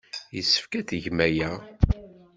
Yessefk ad tgem aya.